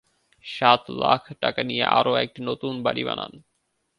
সাত লাখ টাকা নিয়ে আর নতুন একটা বাড়ি বানান।